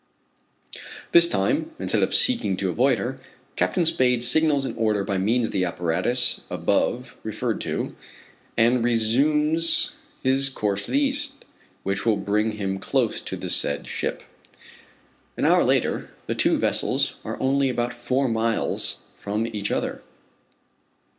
This time, instead of seeking to avoid her, Captain Spade signals an order by means of the apparatus above referred to, and resumes his course to the east which will bring him close to the said ship. An hour later, the two vessels are only about four miles from each other.